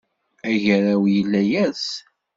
Agaraw yella yers.